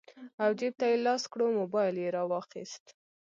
او جېب ته يې لاس کړو موبايل يې رواخيست